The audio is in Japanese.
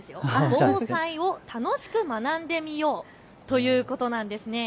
防災を楽しく学んでみようということなんですね。